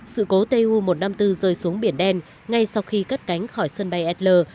sự cố tu một trăm năm mươi bốn rơi xuống biển đen ngay sau khi cắt cánh khỏi sân bay el